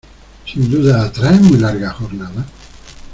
¿ sin duda traen muy larga jornada?